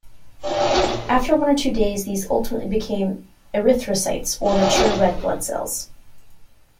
After one to two days, these ultimately become "erythrocytes" or mature red blood cells.